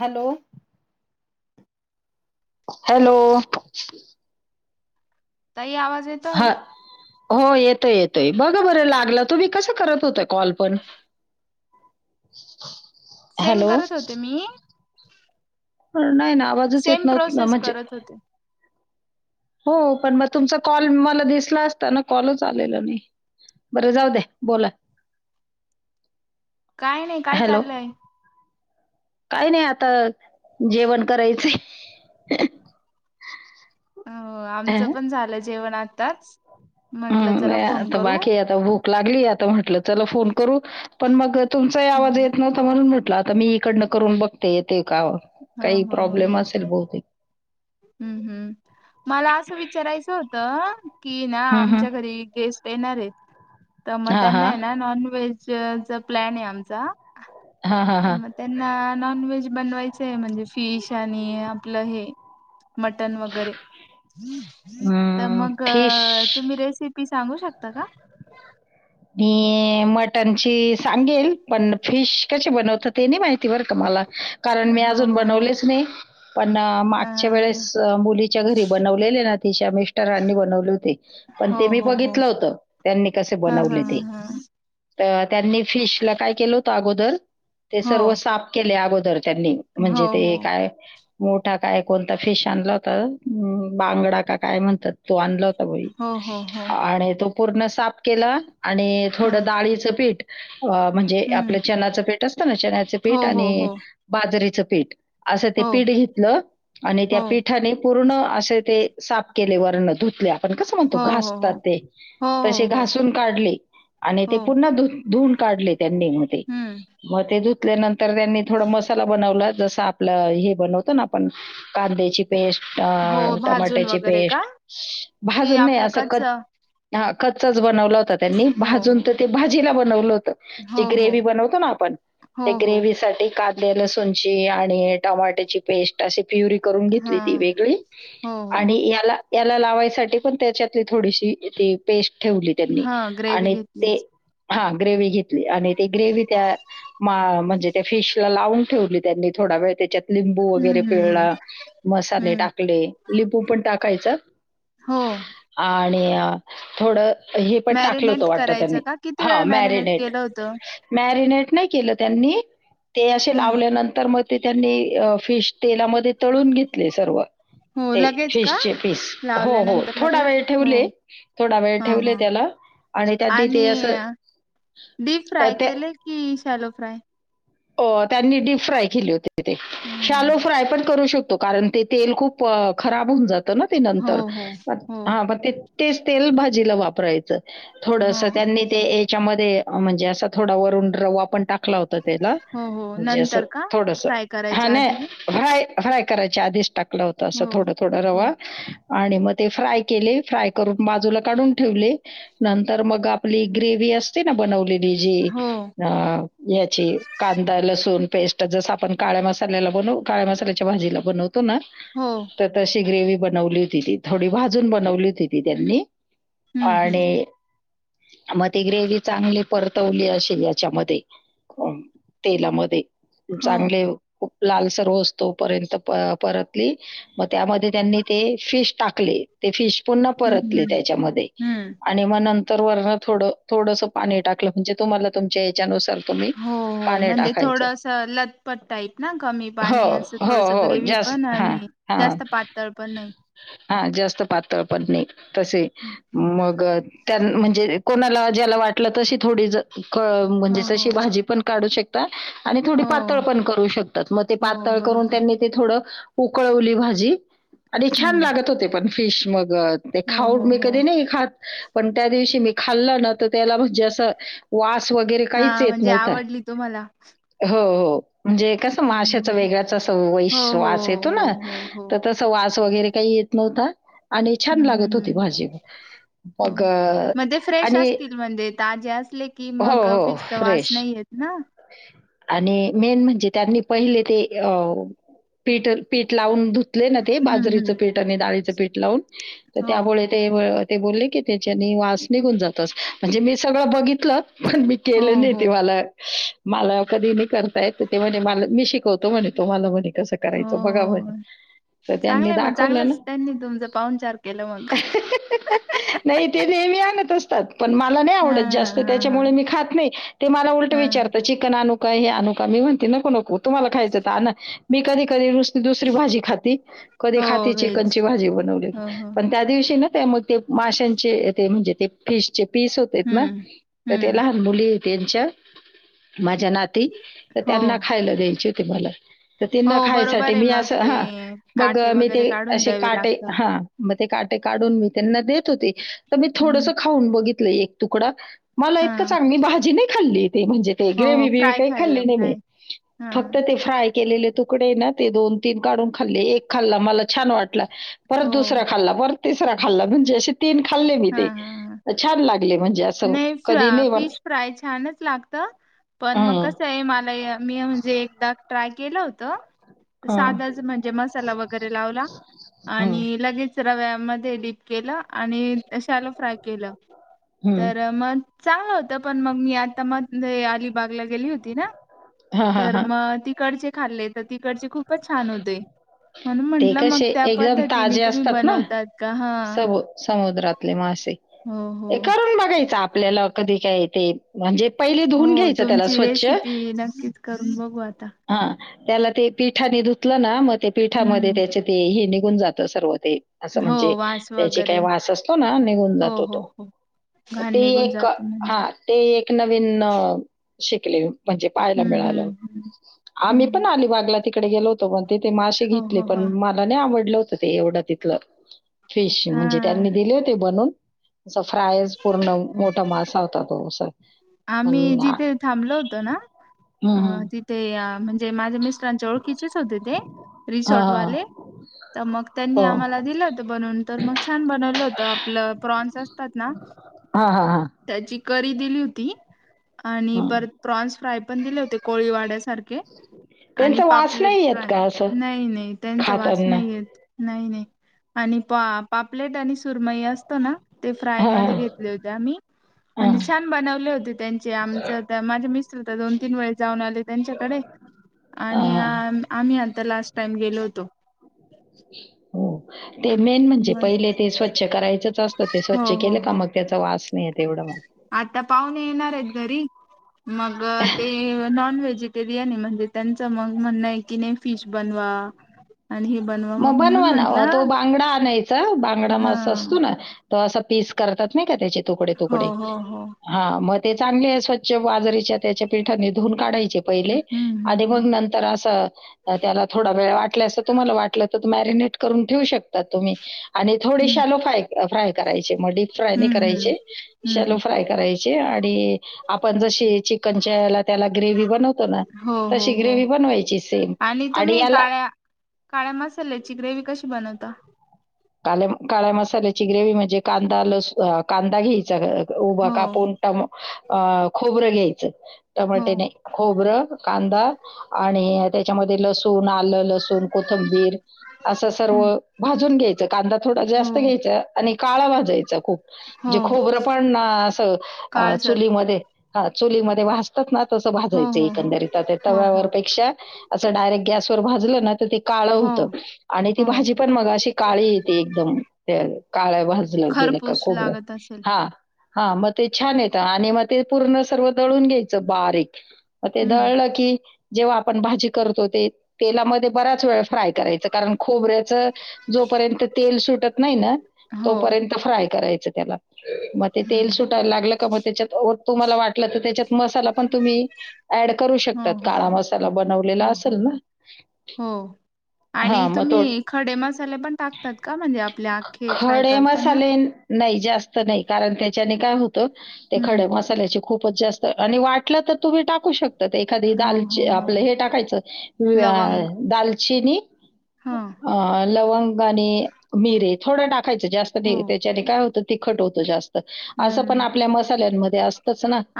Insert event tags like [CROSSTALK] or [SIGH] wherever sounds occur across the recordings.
Hello. Hello. ताई आवाज येतोय. हा हो येतोय येतोय बघ बरं लागलं तुम्ही कस करत होत कॉल पण. [INAUDIBLE] सेंड हॅलो करत होते मी. नाही ना आवाजच येत सेम नव्हत ना प्रोसेस म्हणजे करत होते. हो पण मग तुमचा कॉल मला दिसला असता ना कॉलच आलेला नाही. बरं जाऊ दे बोला. काय नाही काय हॅलो चाललंय. काही नाही आता जेवण करायचं. हो आमचं पण झालं जेवण आताच. हम् नाही आता बाकी आता भूक लागली आता म्हटलं चला फोन करू पण मग. तुमचाही ह आवाज येत ना म्हणून म्हटलं आता मी इकडनं करून बघते येते का हो काही हो हो प्रॉब्लेम असेल बहूतेक ते हम्म हम्म मला असं विचारायचं होतं कि ना हम्म हम्म आमच्या घरी गेस्ट येणार आहेत. तर मग हा त्यांना हा आहे ना नॉन व्हेजचा प्लॅन आहे आमचा. हां, हां, तर हां. मग त्यांना नॉन व्हेज बनवायचंय म्हणजे फिश आणि आपलं हे. मटन वगैरे अं, मग फिश तुम्ही रेसिपी. सांगू शकता का. मटण ची सांगेल पण फिश कशी बनवत ते नाही माहिती. अजून मी हो हो बनवलं नाही पण हा मागच्या वेळेस मुलीच्या घरी बनवले. तिच्या मिस्टरांनी बनवलं होतं हो पणते मी हो हो बघितलं होतं त्यांनी कसं हा हा बनवलं ते हा तर त्यांनी फिश ला काय केलं होत अगोदर ते हो सर्व साफ केले अगोदर. त्यांनी हो म्हणजे ते हो काय. मोठा काय कोणता फिश आणला होता बांगडा का काय म्हणतात. तो आणला होता बई हो हो हो आणि तो पूर्ण साफ केला. आणि ह थोडं डाळीचं पीठ. अ म्हणजे हम्म आपलं चनाचं पीठ असतं ना चण्याचं हो पीठ हो आणि हो बाजरीचं पीठ. असं ते हो पीठ घेतलं आणि त्या हो पिठाने पूर्ण असे ते साफ केले वर्ण धुतल्या. आपण कसं म्हणतो हो हो घासतात हो ते हो हो तसे हो घासून काढले. आणि हो ते पुन धुून काढले त्यांनी मग ते हम्म मग ते धुतल्यानंतर. तर त्यांनी थोडा मसाला बनवला जस आपलं हे बनवत ना आपण कांद्याची. पेस् हो भाजून टमाट्याची वगैरे का पेस्ट कि भाजून नाही आपलं अस कच हो कच कच्चाच बनवला होता त्यांनी भाजून हो तर ते भाजीला बनवलं होत. हो जी हो ग्रेव्ही बनवतो ना आपण त्या हो हो ग्रेव्हीसाठी कांदा. लसूणची आणि टमाट्याची पेस्ट अशी प्युरी करून हा घेतली ती वेगळी हो हो आणि याला याला लावायसाठी पण त्याच्यातली थोडीशी ती पेस्ट ठेवली त्यांनी हा ग्रेव घेतली. हा ग्रेवही घेतली आणि ती ग्रेव्ही त्या म्हणजे त्या फिश ला लावून ठेवली त्यांनी थोड त्यामुळे त्याच्यात लिंबू वगैरे हम्म हम्म हम्म पिळला मसाले हम्म टाकले लिंबू पण टाकायचा. हो आणि थोड हे टाकल होत मॅरिनेट वाटत करायचं त्यांनी का किती हा वेळ मॅरिनेट केलं होतं मॅरिनेट के त्यांनी ते अस ह लाल्यांतर मग. ते त्यांनी फिश तेलामध्ये तळून घेतले सर्व हो ते लगेच का फीशचे पीस हो हो लावल्यानंतर थोडा लगेच वेळ हो ठेवले थोडा वेळ हा ठेवले हा त्याला. आणि त्यांनी ते आणि असं डीप अ, फ्राय केले की शॅलो फ्राय. हो त्यांनी डीप फ्राय केली होती ते, शालो हम्म. फ्राय पण करू शक तो. कारण ते तेल खूप खराब होऊन जात ना ते हो नंतर. हो हो हा पण ते तेच तेल भाजीला वापरायचं. थोडस हा त्यांनी ते याच्यामध्ये म्हणजे असा थोडा वरुन रवा आपण टाकला हो त्याला हो हो म्हणजे अस नंतर का थोडंसं फ्राय हा करायच्या नाय आधी का? हाय फ्राय करायच्या आधीच टाकलं होतं असं हो थोडं थोडं हो रवा. आणि मग ते फ्राय केले. फ्राय करून बाजूला काढून ठेवले. नंतर मग आपली ग्रेव्ही असते ना बनवलेली लई जी हो अ याची कांदा लसूण पेस्ट जस आपण काळ्या मसाल्याला बनवू काळ्या मसाल्याच्या भाजीला बनवत तोना हो तर तशी ग्रेव्ही बनवली होती ती थोडथोडे भाजून बनवली होती ती त्यांनी हम्म हम्म आणि मग ती ग्रेवी चांगली परतवली असेल याच्यामध्ये तेलामध्ये हो चांगले खूप लालसर होस्तोपर्यंत परतली, मग त्यामध्ये त्यांनी ते फिश टाकले. ते फिश पुन्हा हम्म परतली हम्म त्याच्यामध्ये. हम्म. आणि मग नंतर वरनं थोडं थोडंसं पाणी टाकलं म्हणजे तुम्हाला तुमच्या याच्यानुसार तुम्ही हो पाणी म्हणजे टाकायचं थोडंस लथपत टाईप ना, कमी हो पाणी असं हो थोडस हो ग्रेवी पण जास्त हा आणि जास्त पातळ पण नाही. हा जास्त पातळ पण नई तसे हम्म, हम्म. मग म्हणजे कोणाला ज्याला वाटलं तशी थोडी ज क म्हणजे हो हो तशी भाजी पण काढू शक ताय आणि थोडी हो पातळ पण करू शकतात, मग ते हो पातळ करून बरोबर त्यांनी ते थोडं उकळवली भाजी आणि छान हम्म. लागत होते पण फिश मग ते हो खाऊ हो मी हो कधी नाही खात, पण त्यादिवशी मी खाल्ला ना, मी त्याला म्हणजे अस वास वास वगैरे काहीच हा येत म्हणजे नव्हता. आवडली तुम्हाला हो, हो. म्हणजे कसं माशाचा हम्म. वेगळ्याच अस वै हो हो वास येतो हो ना हो हो तर तस वास वगैरे काही येत नव्हता आणि छान हम्म लागत हम्म होती हम्म भाजी. मग हो. मग ते फ्रेश आणि असतील म्हणजे ताजे असले की हो, मग हो, फिशचा वास फ्रेश नाही येत ना. आणि मेन म्हणजे त्यांनी पहिले ते अ पिठ पि लावून धुतले ना ते, हम्म बाजरीचं हम्म पीठ आणि डाळीचं पीठ लावून, तर हो त्यामुळे ते ते बोलले की त्याच्यानी वास निघून जात असं म्हणजे मी सगळं बघितलं. पण मी हो केलं नाही. हो ते मला मला कधी नाही करता येत, ते म्हणे मला मी शिकवतो म्हणे तुम्हाला म्हणे. तसं करायचं बघा म्हणे. हो. तर त्यांनी चांगलंय मग दाखवलं ना चांगलंच त्यांनी तुमचं पाहुणचार केलं मग नाही ते नेहमी आणत असतात. पण मला नाही हा आवडत जास्त हा हा त्याच्यामुळे हा. मी खात नाही, ते मला उलट हा विचारत चिकन आणु का, हे आणु का? मी म्हणते नको नको तुम्हाला खायच असेल तर आणा. मी कधीकधी नुसत दुसरी भाजी खाती, कधी हो खाती व्हेज चिकनची भाजी बनवलेली. हो हो पण त्या दिवशी ना ते मग ते माशांचे ते म्हणजे ते फिशचे पीस होतेत ना हम्म. तर ते हम्म लहान मुली त्यांच्या माझ्या नाती, तर हो त्यांना खायला द्यायचे होते मला. तर तीनां हो बरोबर खायसाठी आहे मी मग असं ते हा मग काटे मी ते वगैरे काढून असे द्यावे काटे लागतात. हा मग ते काटे काढून मी त्यांना देत होते, तर मी हम्म थोडंसं खाऊन बघितलं एक तुकडा मला हा. इतकं चांगली भाजी नाही खाल्ली. ते म्हणजे ते हो ग्रेव्ही बीव्ही फ्राय काही खाल्लं खाल्ली नाही मी. फ्राय हा फक्त ते फ्राय केलेले तुकडे ना ते दोन तीन काढून खाल्ले. एक खाल्ला मला छान वाट ला. परत हो दुसऱ्या खाल्ला, परत तिसरा खाल्ला म्हणजे असे तीन खाल्ले मी हा ते हा हा छान लागले म्हणजे असं नाही कधी फ्रा नाही म्हण. फिश फ्राय छानच लागतं. पण मग कस आहे मला मी म्हणजे एकदा ट्राय केलं होत. हम्म साधच म्हणजे मसाला वगैरे लावला हम्म आणि लगेच रव्यामध्ये डीप केलं आणिशाला फ्राय केलं हम्म तर मग चांगलं होतं पण मग मी आता मग अलिबागला गेली होती ना. हां, हां, तर हां. मग त कडचे खाल्ले तर तिकडचे खूपच छान होते. म्हण ते म्हंटलं मग कसे त्या एकदम पद्धतीने ताजे तुम्ही असतात ना, बनवतात का हा. सबु समुद्रातले मासे हो हो करून बघायच आपल्याला कधी काय ते म्हणजे पहिले हो धुऊून घ्यायच त्याला तुमची स्वच्छ रेसिपी नक्कीच करून बघू आता. हा. त्याला ते पिठानेधुतलं ना मग ते पिठामध्ये हम्म त्याचे ते ही निघून जात सर्व ते असं हो म्हणजे वास त्याचे काही वगैरे वास असतो ना निघून हो जातो हो तो हो घाण तेी निघून एक जाते म्हणजे हा ते एक नवीन शिकले. म्हणजे पाहायला हम्म हम्म मिळालं हम्म आम्ही पण हम्म. अलिबागला तिकडे गेलो होतो पण तेिथे मासे घ. हो हो प हो मला नाही आवडलं होत ते एवढं तिथलं फिश म्हणजे हा. त्यांनी दिले होते बनून अस फ्रायज पूर्ण मोठा मासा होत तो अस. आम्ही जिथे थांबलो होतो ना हम्म. तिथे म्हणजे माझ मिस ां ओळखीचेच होते ते हा रिसॉर्ट हा वाले. तर मग त्यांनी हो. आम्हाला दिलं होतं बनवून तर मग छान बनवलं होतं आपलं प्रॉन्स असतात ना. हा हा हा. त्याची करी दिली होती आणि हम्म. परत प्रॉन्स फ्राय पण दिले होते कोळी वाड्यासारखे आणि त्यांचा वास पापलेट नाही येत फ्राय का असं नाही नाही त्यांचा वास खाताना नाहीय. नाही नाही आणि पा पापलेट आणि सुरमई असतो ना. ते फ्राय हा हा मध्ये घेतले होते म्ही हा म्हणजे छान बनवले होते त्यांचे आमच माझे मि दोन तीन वेळे जाऊन आले त्यांच्याकडे आणि हा. आम्ही आता लास्ट टाईम गेलो होतो. हो. ते मेन म्हणजे मग पहिले ते स्वच्छ करायचंच असतं ते हो स्वच्छ हो केलं का हो मग त्याचा वास नाही येत एवढं मग आता पाहुणे येणार आहेत घरी मग ते नॉन व्हेजिटेरियन म्हणजे त्यांच मग म्हणं आहे की नाही फिश बनवा. आणि हे मग म्हणून बनवा नावा तो म्हंटलं बांगडा आणायचा बांगडा म हा असतो ना त अस पीस करतात नाही का त्याच्या तुकडे हो तुकडे हो हो हा मग ते चांगले स्वच्छ बाजरीच्या त्याच्या पीठानेधून काढायचे. हम्म हम्म मग नंतर अस त्याला थोडा वेळ वाट तुम्हाला वाट. म करून ठे शक तुम् आणि हम्म थोलो्राय करा. फ्राय नाही हम्म हम्म कराय हम्म शलो हम्म फ्राय कराय आणि आपण ज चन त्याला ग्रेव बनतो ना हो हो तशी हो ग्रेव बनवायची सेम आणि तुम्ही याला. काळ्या काळ्या मसाल्याची ग्रेव कशी बनवता. का काळ्या मसाल्याची ग्रेव म्हणजे कांदा लस कांदा घ्यायचा. उभं हो कापून ट अ खोबरं घेई हो टमाटे खोबरं कांदा आणि त्याच्यामध्ये लसूण लण कोथंबीर अस सर्व हम्म भाजून घ्यायच कांदा थोडा हो जास्त घ्याय. आणि काळा भाजायचा खूप हो म्हजे खोबरं पण ना असं काळसर चुलीमध्ये हा चोलीमध्ये वाचतात ना. चुलीवर हो हो हो हो हो भाजण्यापेक्षा असं गॅसवर डायरेक्ट पाजायचा. काळ हो होत आणि ती हो भाजी पण मग अशी काळी येते एकदम त्या काळ्या भाजलं गेलं का खरपूस खोबरं लागत असेल हा. हा मग ते छान येतं आणि मग ते पूर्ण सर्व तळून घ्यायचं बारीक म ते हम्म दळलं की जेव्हा आपण भाजी करतो ते तेलामध्ये बराच वेळ फ्राय करायचं कारण खोबऱ्याच जोपर्यंत तेल सुटत नाही ना हो तोपर्यंत फ्राय करा त्याग सुय हम्म ला त्या तला वाट त्या मसाला पण तुम्ही ऍड करू हो शकता हो काळा हो मसाला बनवलेला हो हो असेल ना हो हो हा आणि मग तो तुम्ही खडेमच फ्राय खडे करताना मसाले नाही जास्त नाही कारण त्या त्या काय होत ते खड हम्म मसाल्या खूपच जास्त आणि वाटलं तर तुम्ही टाकू शकता तर ते एखादी हो हो दालची हो आपलं हे लवंग टाकायचं दालचिनी हा अं, लवंग आणि मिरे थोडं टाकायचं जास्त हो त्याच्याने काय होतं तिखट होतं जास्त असं पण हम्म आपल्या मसाल्यांमध्ये असत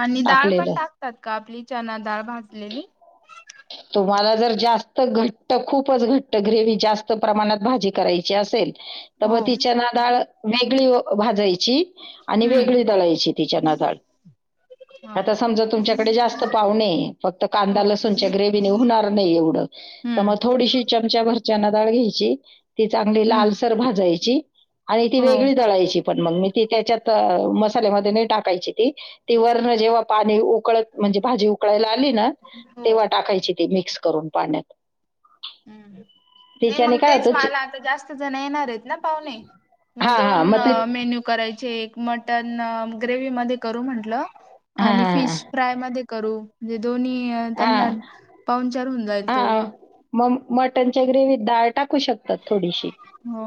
आणि डाळ पण टाकतात का आपली चना डाळ भाजलेली तुम्हाला जर जास्त घट्ट खूपच घट्ट ग्रेव जास्त प्रमाणात भाजी करायची असेल तर हो मग ती चना डाळ वेगळी भाजायची आणि वेगळी हम्म धाळायची तिच्याना डाळ हा आता हा समजा तुमच्याकडे जास्त पावणेे फक्त कांदा हो लसूणच्या ग्रेवने होणार नाही एवढं तर मग हम्म थोडीशी चमचा भरच्याना ाळ घ्यायची ती चांगली हम्म लालसर भाजायची आणि ती हो वेगळी जळायची पण मग मी ती त्याच्यात मसाल्यामध्ये टाकायची ती ती वर्ण जेव्हा पाणी उकळ म्हणजे भाजी उकळायला आली ना हो तेव्हा टाकायची ती मिक्स करून पाण्यात हम्म नाही मग तिच्याने काय तेच होतं चि- मला आता जास्त जण येणार आहेत ना पाहुणे हा मग हा दोन ते मेन्यू करायचे एक मटन ग्रेवी मध्ये करू म्हंटलं हा आणि फिश हा फ्राय मध्ये करूे दोन्ही हा त्यांना पाऊन चार होऊन जाय तो हा मग मटनच्या ग्रेवत डाळ टाकू शकतात थोडीशी हो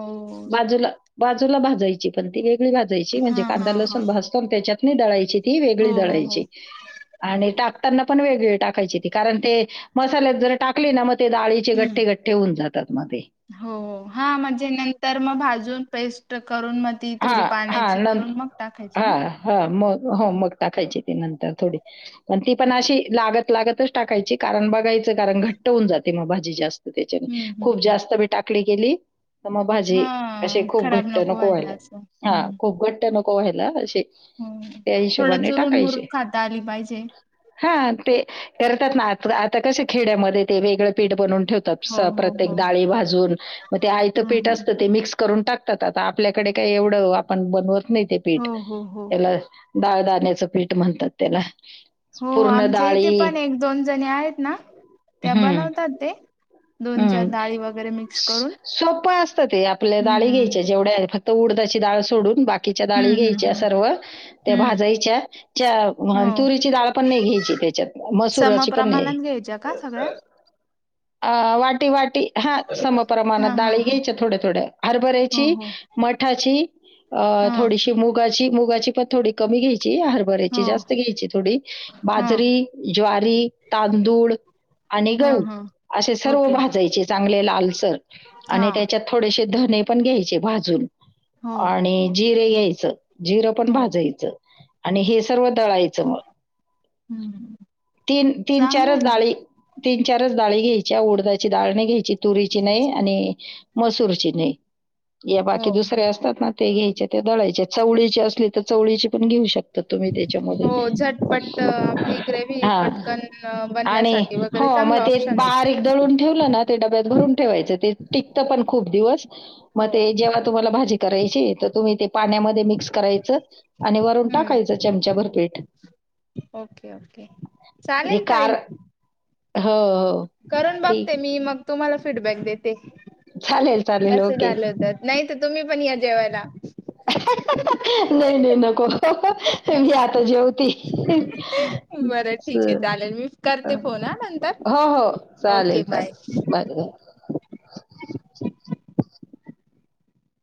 बाजूला बाजूला भाजायची पण ती का ग भाजायची हा म्हणजे हा कांदा हा लसण भासतून त्याच्यात दळायची ती वेगळी हो हो हो दळायची आणि टाकताना पण वेगवेगळी टाकायची त कारण ते मसाल्यात जर टाकली ना मग ते ाळीचे हम्म गठ्ठे गठ्ठे होऊन जातात मग ते हो हा म्हणजे नंतर मग भाजून पेस्ट करून मग ती हा थोडी हा पाण्याची न करून मग टाकायची हा ना? हा मग हो मग टाकायची नंतर थोडी पण ती पण अशी लागत लागतच टाकायची कारण बघ कारण घ्ट हो जाते भाजी जास्त त्या हम्म खूप हम्म. जास्त मी टाक केली मग भाजी असशी हा खूप खराब घट्ट नको व्हायला असं. हा हम्म. खूप घट्ट नको व्हायला अशी हो त्या थोडं हिशोबाने चुरून टाकायचे मुरून खाता आली पाहिजे. हा ते करतात ना आ आता कश खेड्यामध्ये ते वेगळं पीठ बनून ठे हो हो प्रत्येक हो. डाळी भाजून मग ते आं हा पीठ हा असतं ते मिक्स करून टाकत आता आपल्याकडे काही एवढं आपण बनवत नाही ते हो पीठ हो हो. त्याला डाळदाण्याचं पीठ म्हणतात त्याला हो पूर्ण आमच्या इथे डाळी पण एक दोन जणी आहेत ना त्या हम्म बनवतात ते दोन चार हम्म डाळी वगैरे मिक्स करून. सोपं असत ते आपल्या डाळी घ्यायच्या हम्म. जेवढ्या फक्त उडादाची डाळ सोडून बाकीच्या डाळी हम्म हम्म घ्यायच्या हम्म सर्व त्या हम्म भाजायच्या त्या हो तुरीची डळ पण नाही घ त्याच्यात सम मसुराची पण नाही प्रमाणात घ्यायच्या का सगळ्या अ वाटी वाटी हा समप्रमाणात हा हा डाळी हा घ्यायच्या थोड्या थोड्या हो हरभऱ्याची हो. मठाची अ हा थोडीशी मुगाची मुगाची पन थोडी कमी घ्यायची हो हरभऱ्याची जास्त घ्यायची थोडी हा बाजरी ज्वारी तांदूळ आणि हा गहू हा असे सर्व ओके भाजायचे चांगले लालसर हा आणि त्याच्यात थोडेसे धणे पण घ्यायचे भाजून हो आणि जिरे घ्यायचं जिरं पण हो भाजायचं आणि हे सर्व दळायचं मग, हम्म तीन तीन चांगलं चारच आहे ना डाळी तीन चारच डाळी घ्यायच्या, उडदाची डाळ नाही घ्यायची तुरीची नाही आणि मसूरची नाही, या हो बाकी हो दुसरे असतात ना ते घ्यायच्या ते दळायच्या चवळीचे असले तर चवळीचे पण घेऊ शक ता तुम्ही त्याच्यामध्ये, हो झटपट आपली ग्रेव्ही हा पटकन आणि बनण्यासाठी हो वगैरे मग चांगला ते ऑप्शन आहे बारीक दळून ठेवलं ना ते डब्यात भरून ठेवायचं ते टिकतं पण खूप दिवस. मग हो ते जेव्हा तुम्हाला भाजी करायची तर तुम्ही ते पाण्यामध्ये मिक्स करायचं आणि वरून हम्म टाकायचं चमचा भर पीठ. ओके ओके, म्हणजे चालेल कार ताई हो हो करून ठीक बघते मी मग तुम्हाला फीडबॅक देते. चालेल चालेल कसं ओके झालं होत, नाही तर तुम्ही पण या जेवायला. नाही नाही, नको मी आता जेवती. [UNINTELLIGIBLE] बरं ठीक आहे चालेल मी करते फोन हा नंतर हो हो चालेल ओके चालेल. बाय बर बर